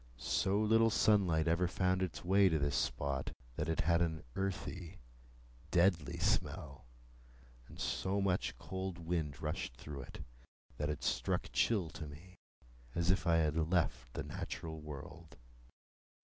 So little sunlight ever found its way to this spot, that it had an earthy, deadly smell; and so much cold wind rushed through it, that it struck chill to me, as if I had left the natural world.